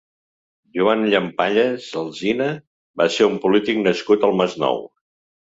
Joan Llampallas Alsina va ser un polític nascut al Masnou.